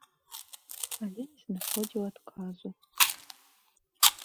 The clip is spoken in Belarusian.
Але не знаходзіў адказу.